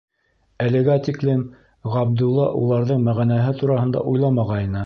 Әлегә тиклем Ғабдулла уларҙың мәғәнәһе тураһында уйламағайны.